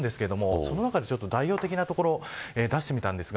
その中の代表的な所、出してみました。